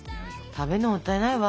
食べるのもったいないわ。